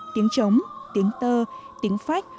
tiếng trống tiếng tơ tiếng phách